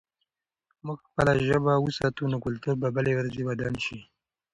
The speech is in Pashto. که موږ خپله ژبه وساتو، نو کلتور به ورځ بلې ورځې ودان شي.